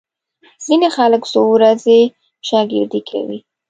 ځینې خلک څو ورځې شاګردي کوي.